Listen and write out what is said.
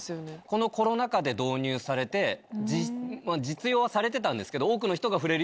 このコロナ禍で導入されて実用はされてたんですけど。